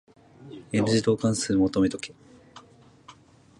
第 n 次導関数求めとけ。